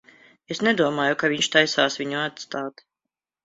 Es nedomāju, ka viņš taisās viņu atstāt.